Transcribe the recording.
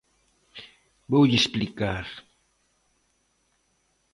Voulle explicar.